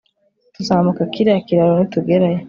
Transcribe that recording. Tuzambuka kiriya kiraro nitugeraho